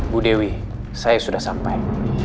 bu dewi saya sudah sampai